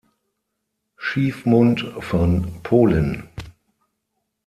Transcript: Schiefmund von Polen.